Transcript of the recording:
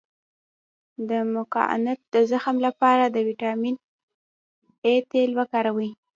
د مقعد د زخم لپاره د ویټامین اي تېل وکاروئ